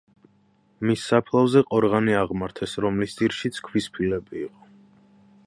მის საფლავზე ყორღანი აღმართეს, რომლის ძირშიც ქვის ფილები იყო.